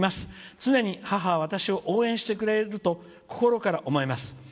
常に母は私を応援してくれると心から思います。